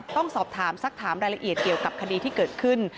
ต้องสอบถามสักถามรายละเอียดเกี่ยวกับคดีที่เกิดขึ้น